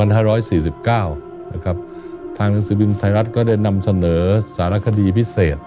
ทางทางสืบบิมไทรรัฐก็ได้นำเสนอสารคดีพิสัย